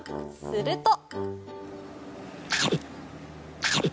すると。